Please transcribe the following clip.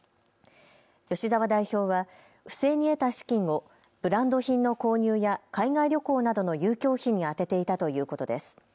吉澤代表は不正に得た資金をブランド品の購入や海外旅行などの遊興費に充てていたということです。